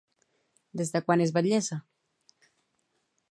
Des de quan és batllessa?